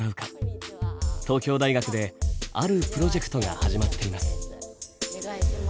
東京大学であるプロジェクトが始まっています。